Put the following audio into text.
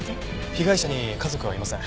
被害者に家族はいません。